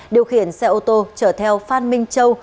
điều khiển xe ô tô chở theo phan minh châu